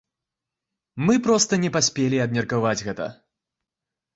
Мы проста не паспелі абмеркаваць гэта.